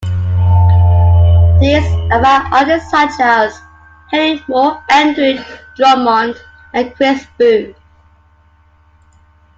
These are by artists such as Henry Moore, Andrew Drummond and Chris Booth.